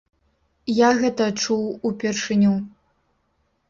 Я гэта чуў упершыню.